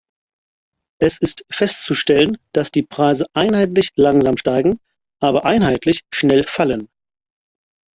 Es ist festzustellen, dass die Preise einheitlich langsam steigen, aber einheitlich schnell fallen.